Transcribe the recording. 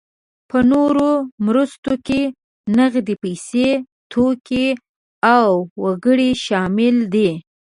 په نوموړو مرستو کې نغدې پیسې، توکي او وګړي شامل دي.